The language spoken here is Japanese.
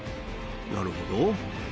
なるほど。